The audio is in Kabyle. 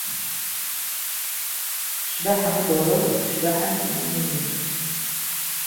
Ccbaḥa i d-tewret seg ccbaḥa n telmaniyin.